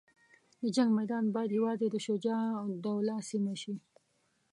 د جنګ میدان باید یوازې د شجاع الدوله سیمه شي.